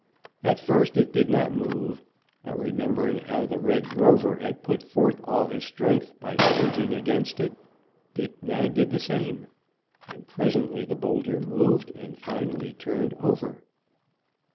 At first it did not move, but remembering how the Red Rover had put forth all his strength by surging against it, Dick now did the same, and presently the boulder moved and finally turned over.